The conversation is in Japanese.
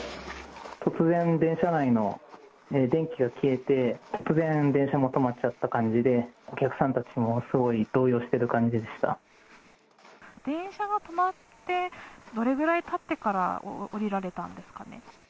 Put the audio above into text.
突然、電車内の電気が消えて、突然、電車も止まっちゃった感じで、お客さんたちもすごい動揺してい電車が止まって、どれぐらいたってから降りられたんですかね。